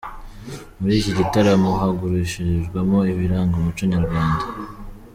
Muri iki gitaramo hagurishirijwemo ibiranga umuco nyarwanda.